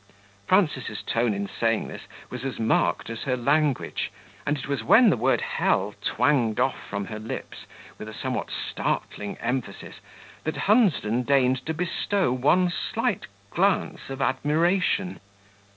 '" Frances' tone in saying this was as marked as her language, and it was when the word "hell" twanged off from her lips, with a somewhat startling emphasis, that Hunsden deigned to bestow one slight glance of admiration.